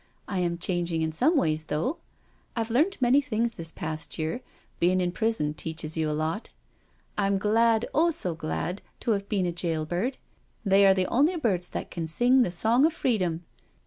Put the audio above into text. I am changed in some ways though. I've learnt many things this past year — being in prison teaches you a lot. I'm glad, oh, so glad, to 'ave been a jail bird, they are the only birds that can sing the song of freedom.